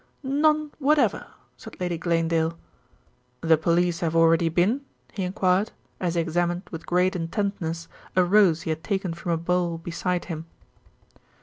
"None whatever," said Lady Glanedale. "The police have already been?" he enquired, as he examined with great intentness a rose he had taken from a bowl beside him.